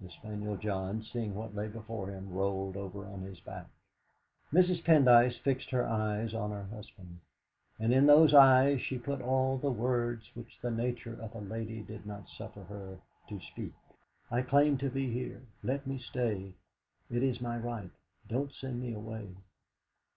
The spaniel John, seeing what lay before him, rolled over on his back. Mrs. Pendyce fixed her eyes on her husband, and in those eyes she put all the words which the nature of a lady did not suffer her to speak. '. claim to be here. Let me stay; it is my right. Don't send me away.'